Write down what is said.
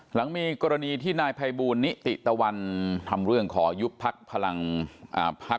หลังมีกรณีที่นายภัยบูลนิติตะวันทำเรื่องขอยุบพักพลังพัก